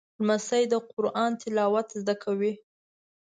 لمسی د قرآن تلاوت زده کوي.